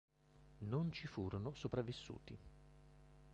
Non ci furono sopravvissuti.